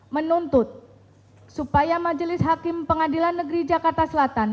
menuntut supaya majelis hakim pengadilan negeri jakarta selatan